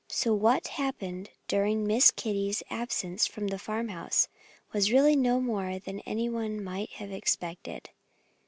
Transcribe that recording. So what happened during Miss Kitty Cat's absence from the farmhouse was really no more than any one might have expected.